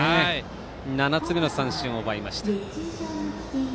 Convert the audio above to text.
７つ目の三振を奪いました。